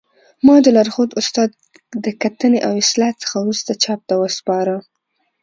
ما د لارښود استاد د کتنې او اصلاح څخه وروسته چاپ ته وسپاره